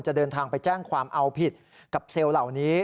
เดินทางไปแจ้งความเอาผิดกับเซลล์เหล่านี้